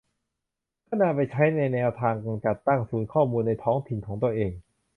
เพื่อนำไปใช้เป็นแนวทางจัดตั้งศูนย์ข้อมูลในท้องถิ่นของตัวเอง